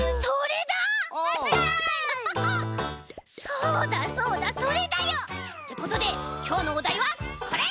そうだそうだそれだよ！ってことできょうのおだいはこれ！